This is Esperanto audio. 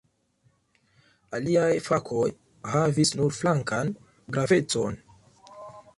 Aliaj fakoj havis nur flankan gravecon.